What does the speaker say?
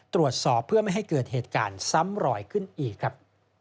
ตรวจสอบเพื่อไม่ให้เกิดเหตุการณ์ซ้ำรอยขึ้นอีกครับ